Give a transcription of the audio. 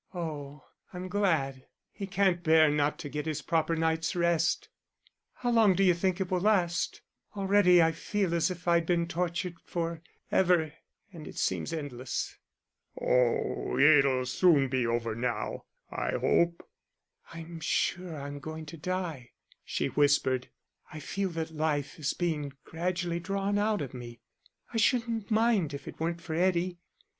"Oh, I'm glad. He can't bear not to get his proper night's rest.... How long d'you think it will last already I feel as if I'd been tortured for ever, and it seems endless." "Oh, it'll soon be over now, I hope." "I'm sure I'm going to die," she whispered; "I feel that life is being gradually drawn out of me I shouldn't mind if it weren't for Eddie.